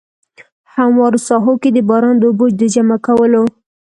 هموارو ساحو کې د باران د اوبو د جمع کولو.